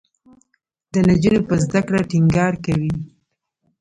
د نجونو په زده کړه ټینګار کوي.